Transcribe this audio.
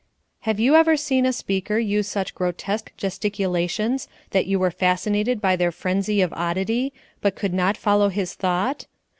Have you ever seen a speaker use such grotesque gesticulations that you were fascinated by their frenzy of oddity, but could not follow his thought?